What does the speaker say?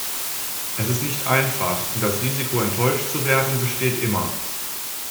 Es ist nicht einfach, und das Risiko, enttäuscht zu werden, besteht immer.